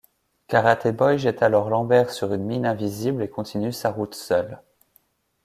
Karaté Boy jette alors Lambert sur une mine invisible et continue sa route seul.